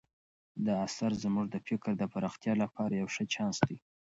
دا اثر زموږ د فکر د پراختیا لپاره یو ښه چانس دی.